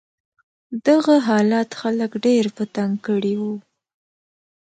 دغه حالت خلک ډېر په تنګ کړي و.